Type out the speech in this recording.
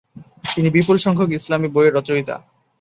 তিনি বিপুল সংখ্যক ইসলামি বইয়ের রচয়িতা।